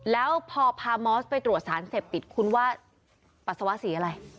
แล้วพอพามอสไปตรวจสารเสพติดคุณว่าปัสสาวะสีอะไร